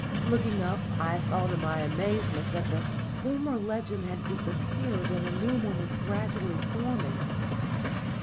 Looking up, I saw to my amazement that the former legend had disappeared and a new one was gradually forming.